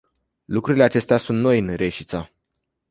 Lucrurile acestea sunt noi în Reșița.